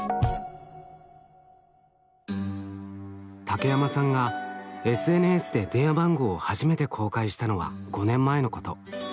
竹山さんがＳＮＳで電話番号を初めて公開したのは５年前のこと。